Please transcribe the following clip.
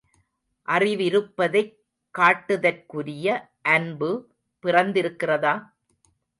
அறிவிருப்பதைக் காட்டுதற்குரிய அன்பு பிறந்திருக்கிறதா?